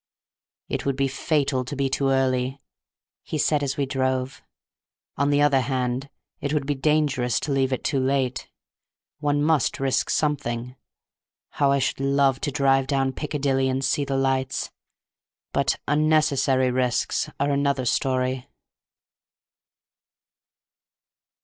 "It would be fatal to be too early," he said as we drove; "on the other hand, it would be dangerous to leave it too late. One must risk something. How I should love to drive down Piccadilly and see the lights! But unnecessary risks are another story."